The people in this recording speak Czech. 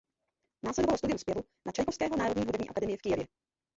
Následovalo studium zpěvu na "Čajkovského národní hudební akademii" v Kyjevě.